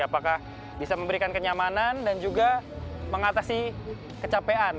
apakah bisa memberikan kenyamanan dan juga mengatasi kecapean